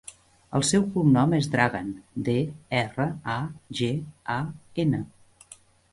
El seu cognom és Dragan: de, erra, a, ge, a, ena.